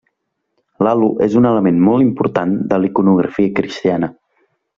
L'halo és un element molt important de la iconografia cristiana.